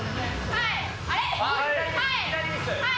はい。